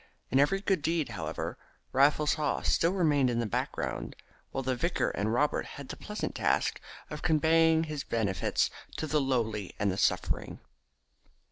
In every good deed, however, Raffles Haw still remained in the background, while the vicar and Robert had the pleasant task of conveying his benefits to the lowly and the suffering.